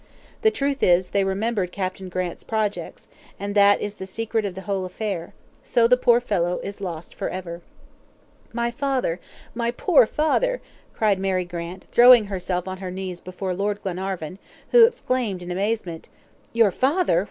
The truth is, they remembered Captain Grant's projects, and that is the secret of the whole affair. So the poor fellow is lost for ever." "My father! my poor father!" cried Mary Grant, throwing herself on her knees before Lord Glenarvan, who exclaimed in amazement: "Your father?